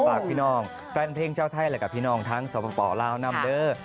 ฝากพี่น้องแฟนเพลงเจ้าไทยและกับพี่น้องทั้งสปลาวนำเด้อ